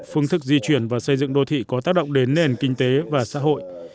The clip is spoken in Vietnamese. phương thức di chuyển và xây dựng đô thị có tác động đến nền kinh tế và xã hội